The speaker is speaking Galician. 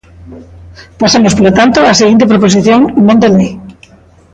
Pasamos, polo tanto, á seguinte proposición non de lei.